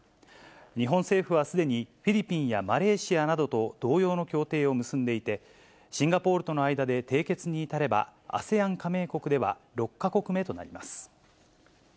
日本政府はすでに、フィリピンやマレーシアなどと同様の協定を結んでいて、シンガポールとの間で締結に至れば、ＡＳＥＡＮ加盟国では、６か国目となります。